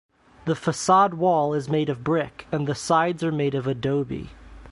The facade wall is made of brick and the sides are made of adobe.